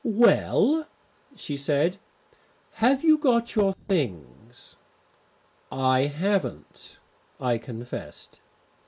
"Well," she said, "have you got your things?" "I haven't," I confessed.